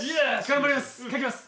頑張ります！